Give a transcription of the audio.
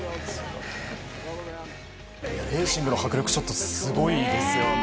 レーシングの迫力ちょっとすごいですよね。